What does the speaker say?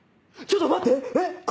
ちょっと待て。